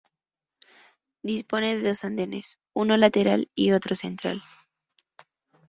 Dispone de dos andenes, uno lateral y otro central.